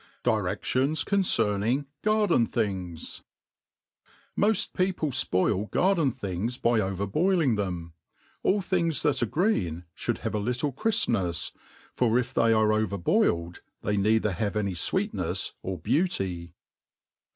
Dlre^ions concerning Garden Things* MOST people fpoil garden things by over boiling them* All things that are green (bould have a little crifpoefs, for if they are over boiled^ they neither have any fweetnefs or beauty.